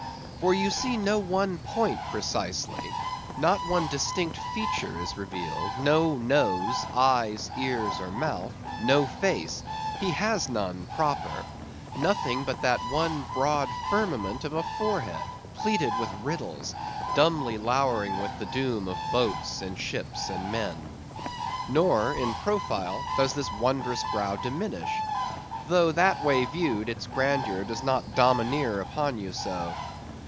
For you see no one point precisely; not one distinct feature is revealed; no nose, eyes, ears, or mouth; no face; he has none, proper; nothing but that one broad firmament of a forehead, pleated with riddles; dumbly lowering with the doom of boats, and ships, and men. Nor, in profile, does this wondrous brow diminish; though that way viewed its grandeur does not domineer upon you so.